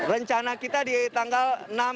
rencana kita di tanggal enam